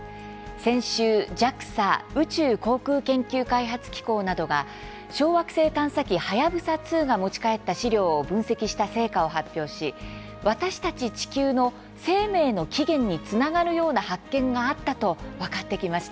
先週、ＪＡＸＡ・宇宙航空研究開発機構などが小惑星探査機はやぶさ２が持ち帰った試料を分析した成果を発表し、私たち地球の生命の起源につながるような発見があったと分かってきました。